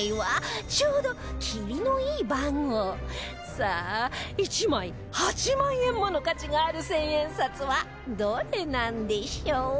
さあ１枚８万円もの価値がある千円札はどれなんでしょう？